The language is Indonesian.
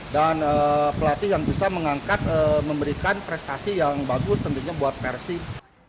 dan pelatih yang bisa mengangkat memberikan prestasi yang bagus tentunya buat persib